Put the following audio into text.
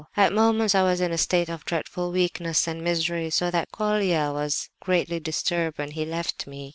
"At moments I was in a state of dreadful weakness and misery, so that Colia was greatly disturbed when he left me.